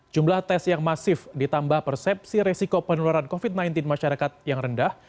jumlah tes yang masif ditambah persepsi resiko penularan covid sembilan belas masyarakat yang rendah